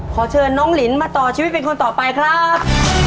ขอเชิญน้องลินมาต่อชีวิตเป็นคนต่อไปครับ